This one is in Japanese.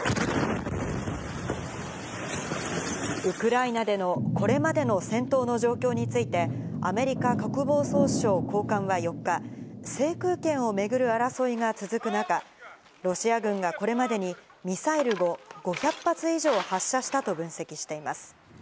ウクライナでのこれまでの戦闘の状況について、アメリカ国防総省高官は４日、制空権を巡る争いが続く中、ロシア軍がこれまでにミサイルを５００発以上発射したと分析しています。